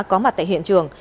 có mặt tại hiện trường